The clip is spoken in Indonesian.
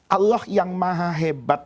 allah yang maha hebat